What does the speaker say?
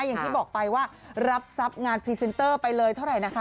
อย่างที่บอกไปว่ารับทรัพย์งานพรีเซนเตอร์ไปเลยเท่าไหร่นะคะ